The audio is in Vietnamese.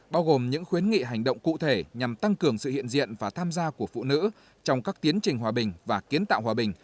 bao gồm những khuyến nghị hành động cụ thể nhằm tăng cường sự hiện diện và tham gia của phụ nữ trong các tiến trình hòa bình và kiến tạo hòa bình